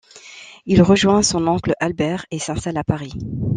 Il y rejoint son oncle Albert et s'installe à Paris.